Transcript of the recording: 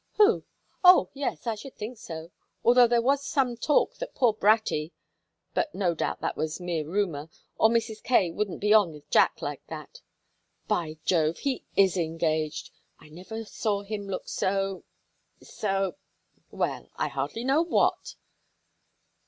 "Who? Oh yes, I should think so, although there was some talk that poor Bratty but no doubt that was mere rumor, or Mrs. Kaye wouldn't be on with Jack like that. By Jove, he is engaged. I never saw him look so so well, I hardly know what."